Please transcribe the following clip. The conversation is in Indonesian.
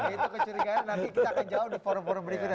itu kecurigaan nanti kita akan jawab di forum forum berikutnya